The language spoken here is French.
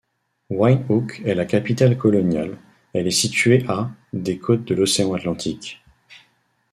Windhoek est la capitale coloniale, elle est située à des côtes de l'océan Atlantique.